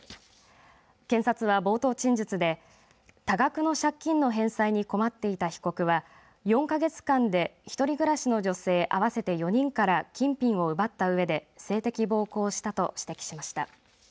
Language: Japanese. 検察は冒頭陳述で多額の借金の返済に困っていた被告は４か月間で一人暮らしの女性あわせて４人から金品を奪ったうえで性的暴行をしたと指摘しました。